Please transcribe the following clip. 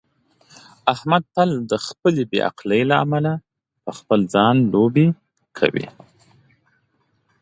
احمد تل د خپل جاهلیت له امله په خپل ځان لوبې کوي.